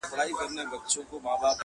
مسیحا چي مي اکسیر جو کړ ته نه وې٫